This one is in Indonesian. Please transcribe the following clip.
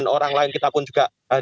orang lain kita pun juga